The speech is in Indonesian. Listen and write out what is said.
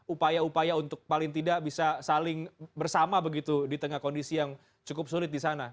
upaya upaya untuk paling tidak bisa saling bersama begitu di tengah kondisi yang cukup sulit di sana